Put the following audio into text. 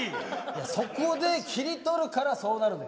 そこで切り取るからそうなるの。